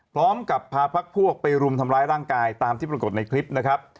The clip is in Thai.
พร้อมกับพาพักพวกไปรุมทำร้ายร่างกายตามที่ปรากฏในคลิปนะครับ